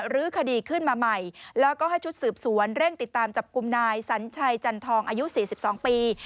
รื้อคดีขึ้นมาใหม่แล้วก็ให้ชุดสืบสวนเร่งติดตามจับกลุ่มนายสัญชัยจันทองอายุ๔๒ปี